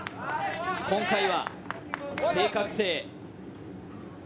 今回は正確性。